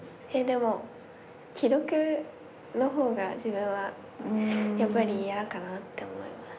でも既読の方が自分はやっぱり嫌かなって思います。